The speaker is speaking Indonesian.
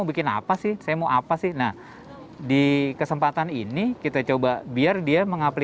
berkreasi sesuai imajinasi hingga belajar teknik menggambar dan mewarnai